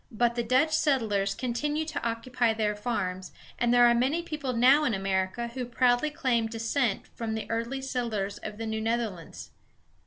But the Dutch settlers continued to occupy their farms, and there are many people now in America who proudly claim descent from the early settlers of the New Netherlands.